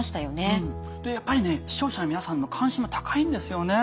やっぱりね視聴者の皆さんの関心も高いんですよね。